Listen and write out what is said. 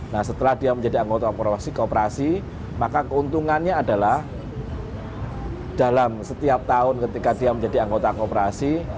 nah setelah dia menjadi anggota kooperasi maka keuntungannya adalah dalam setiap tahun ketika dia menjadi anggota koperasi